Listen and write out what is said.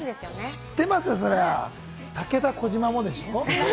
知ってますよ、そりゃ武田、児嶋もでしょ。